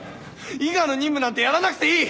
伊賀の任務なんてやらなくていい！